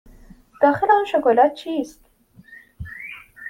داخل آن شکلات چیست؟